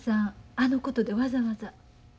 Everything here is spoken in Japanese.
あのことでわざわざ。